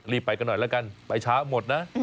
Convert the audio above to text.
ไปกันหน่อยแล้วกันไปช้าหมดนะ